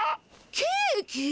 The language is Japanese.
ケーキ？